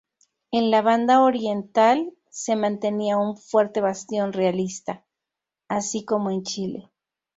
En la Banda Oriental se mantenía un fuerte bastión realista, así como en Chile.